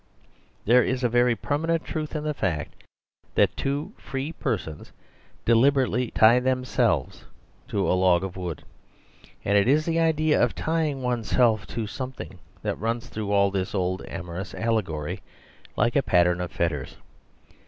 There is a very permanent truth in the fact that two free per sons deliberately tie themselves to a log of wood. And it is the idea of tying oneself to something that runs through all this old amor ous allegory like a pattern of fetters.